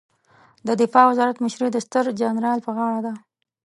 د دفاع وزارت مشري د ستر جنرال په غاړه ده